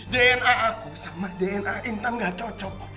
dna aku sama dna intan gak cocok